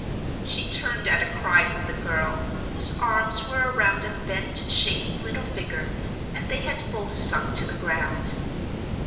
She turned at a cry from the girl, whose arms were around a bent, shaking, little figure, and they had both sunk to the ground.